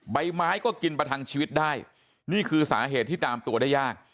ใบไม้ก็กินประทังชีวิตได้นี่คือสาเหตุที่ตามตัวได้ยาก